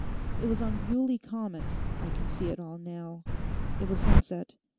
It was on Bewley Common: I can see it all now; it was sunset.